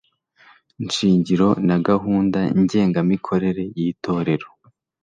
shingiro na gahunda ngengamikorere y Itorero